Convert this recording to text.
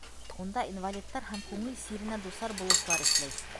Унда инвалидтар һәм күңел сиренә дусар булыусылар эшләй.